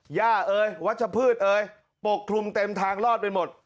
ย่าเอ๋ยวัชพืชเอ่ยปกคลุมเต็มทางรอดไปหมด